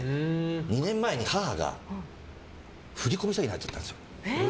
２年前に母が振込詐欺に遭っちゃったんですよ。